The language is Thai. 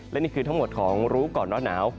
และนี่คือทั้งหมดของรู้ก่อนร้อนหนาว